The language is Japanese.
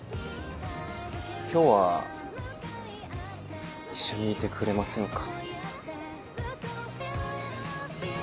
今日は一緒にいてくれませんか？